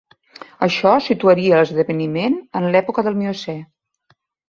Això situaria l'esdeveniment en l'època del Miocè.